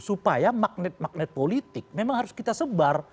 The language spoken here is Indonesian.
supaya magnet magnet politik memang harus kita sebar